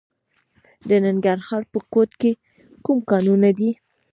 د ننګرهار په کوټ کې کوم کانونه دي؟